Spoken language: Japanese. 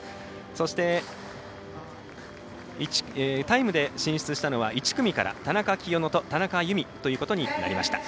そして、タイムで進出したのは１組から田中きよの田中佑美となりました。